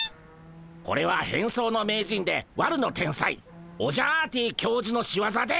これは変装の名人で悪の天才オジャアーティ教授の仕業でゴンス。